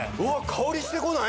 香りしてこない？